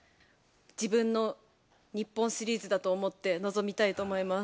自分の日本シリーズだと思って臨みたいと思います